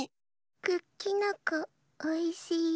クッキノコおいしいよ。